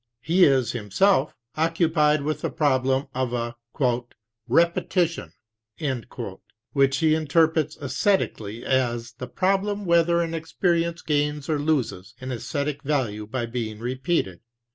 He is himself occupied with the problem of a "repetition," which he interprets esthetically, as the problem whether an experience gains or loses in esthetic value by being repeated.